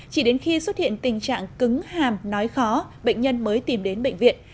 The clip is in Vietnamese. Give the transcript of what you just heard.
chỉ đến khi xuất hiện tình trạng cứng hàm nói khó bệnh nhân mới tìm đến bệnh viện